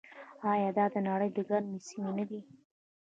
آیا دا د نړۍ ګرمې سیمې نه دي؟